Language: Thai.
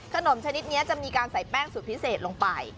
ชนิดนี้จะมีการใส่แป้งสูตรพิเศษลงไป